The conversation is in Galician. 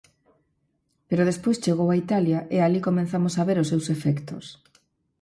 Pero despois chegou a Italia e alí comezamos a ver os seus efectos.